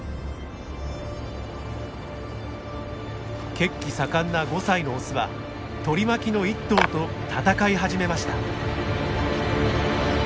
血気盛んな５歳のオスは取り巻きの１頭と闘い始めました。